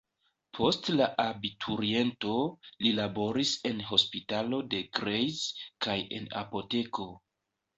Post la abituriento, li laboris en hospitalo de Greiz kaj en apoteko.